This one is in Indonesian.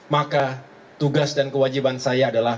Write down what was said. maka tugas dan kewajiban saya adalah